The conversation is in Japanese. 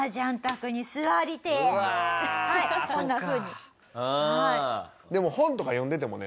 こんなふうに。